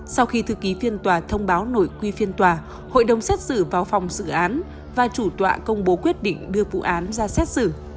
sau khi thư ký phiên tòa thông báo nổi quy phiên tòa hội đồng xét xử vào phòng xử án và chủ tọa công bố quyết định đưa vụ án ra xét xử